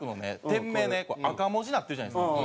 店名ね赤文字になってるじゃないですか。